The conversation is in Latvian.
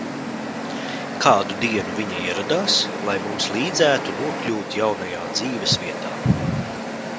Kādu dienu viņa ieradās, lai mums līdzētu nokļūt jaunajā dzīves vietā.